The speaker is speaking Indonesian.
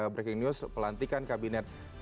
breaking news pelantikan kabinet